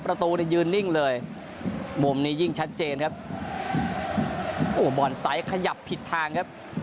ประตูเนี่ยยืนนิ่งเลยมุมนี้ยิ่งชัดเจนครับโอ้โหบ่อนไซส์ขยับผิดทางครับ